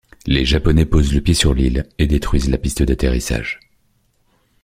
Les Japonais posent le pied sur l'île et détruisent la piste d'atterrissage.